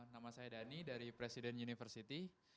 nama saya dhani dari presiden university